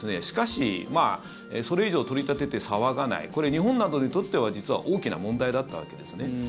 しかし、それ以上取り立てて騒がないこれ、日本などにとっては実は大きな問題だったわけですね。